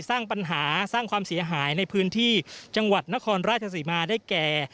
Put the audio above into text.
สร้างปัญหาสร้างความเสียหายในพื้นที่จังหวัดนครราชสีมาได้แก่